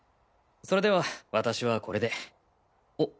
それでは私はこれでおっ！